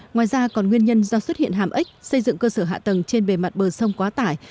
ngoài ra còn nguyên nhân do xuất hiện hàm ếch xây dựng cơ sở hạ tầng trên bề mặt bờ sông quá tải